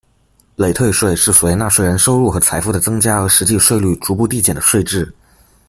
累退税是随纳税人收入和财富的增加而实际税率逐步递减的税制。